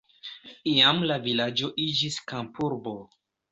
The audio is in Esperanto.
Iam la vilaĝo iĝis kampurbo.